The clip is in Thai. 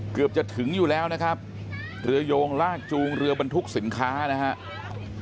เกือบจะถึงอยู่แล้วนะครับเรือโยงลากจูงเรือบรรทุกสินค้านะครับ